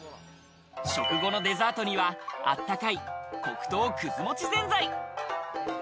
食後のデザートには、あったかい、黒糖くずもちぜんざい。